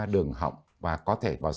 đường họng và có thể vào sông